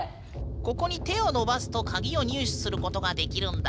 ここに手を伸ばすと鍵を入手することができるんだ。